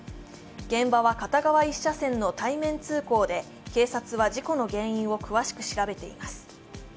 現場は片側１車線の対面通行で警察は事故の原因を詳しく調べています。